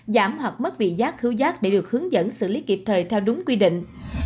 giảm hoặc mất vị giác khiếu giác để được hướng dẫn xử lý kịp thời theo đúng quy định